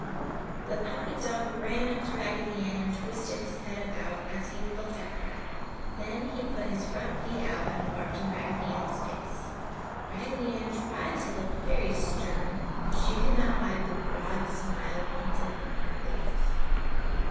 The puppy dog ran up to Raggedy Ann and twisted his head about as he looked at her. Then he put his front feet out and barked in Raggedy Ann's face. Raggedy Ann tried to look very stern, but she could not hide the broad smile painted on her face.